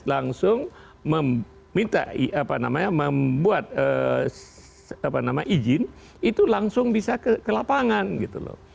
langsung meminta apa namanya membuat izin itu langsung bisa ke lapangan gitu loh